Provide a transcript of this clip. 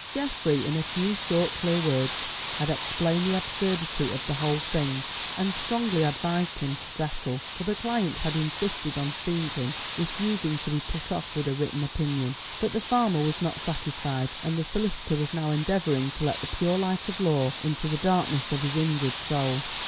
Geoffrey in a few short, clear words had explained the absurdity of the whole thing, and strongly advised him to settle, for the client had insisted on seeing him, refusing to be put off with a written opinion. But the farmer was not satisfied, and the solicitor was now endeavouring to let the pure light of law into the darkness of his injured soul.